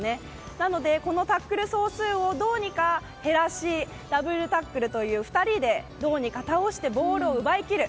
なので、このタックル総数をどうにか減らしダブルタックルという２人でどうにか倒してボールを奪いきる。